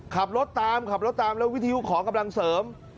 ขับรถตามขับรถตามแล้ววิทยุขอกำลังเสริม